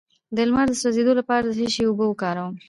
د لمر د سوځیدو لپاره د څه شي اوبه وکاروم؟